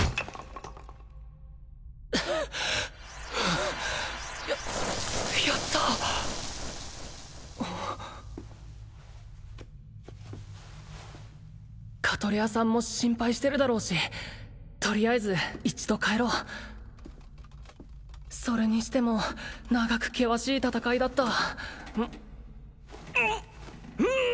はあはあややったカトレアさんも心配してるだろうしとりあえず一度帰ろうそれにしても長く険しい戦いだったんうん！